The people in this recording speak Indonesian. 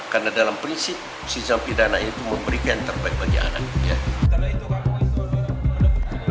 karena dalam prinsip siswa pidana itu memberikan terbaik bagi anak